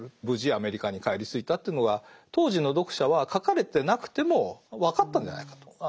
無事アメリカに帰り着いたというのが当時の読者は書かれてなくても分かったんじゃないかと。